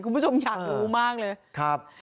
คุณผู้ชมอยากรู้มากเลยครับ